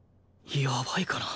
やばいかな